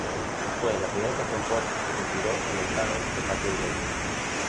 Fue la primera canción pop que se inspiró en el Canon de Pachelbel.